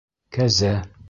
Кәзә.